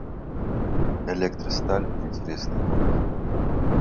Электросталь — интересный город